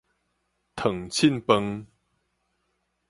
熥凊飯